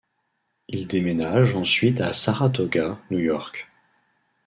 Ils déménagent ensuite à Saratoga, New York.